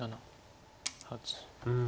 うん。